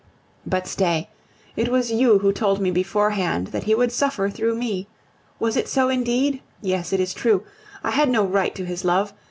But stay! it was you who told me beforehand that he would suffer through me. Was it so indeed? Yes, it is true, I had no right to his love.